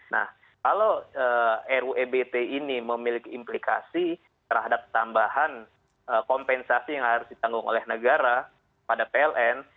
nah kalau ru ebt ini memiliki implikasi terhadap tambahan kompensasi yang harus ditanggung oleh negara pada pln